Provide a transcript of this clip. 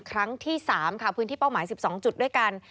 ครั้งที่๓ค่ะพื้นที่เป้าหมาย๑๒จุดด้วยกัน